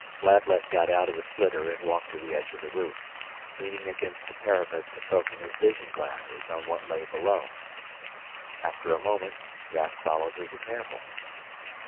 Lablet got out of the flitter and walked to the edge of the roof, leaning against the parapet to focus his vision glasses on what lay below. After a moment Raf followed his example.